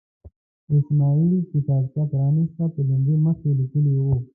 اسماعیل کتابچه پرانسته، په لومړي مخ یې لیکلي وو.